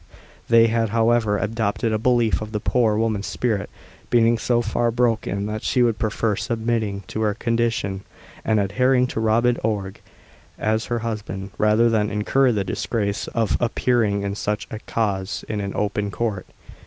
They had, however, adopted a belief of the poor woman's spirit being so far broken that she would prefer submitting to her condition, and adhering to Robin Oig as her husband, rather than incur the disgrace, of appearing in such a cause in an open court.